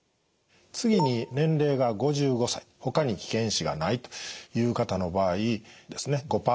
次に年齢が５５歳ほかに危険因子がないという方の場合ですね